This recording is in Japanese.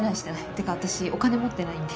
てか私お金持ってないんで。